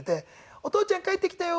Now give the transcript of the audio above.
「お父ちゃん帰ってきたよ」